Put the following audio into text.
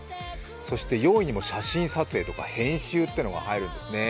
そして４位にも写真撮影とか編集というのが入るんですね。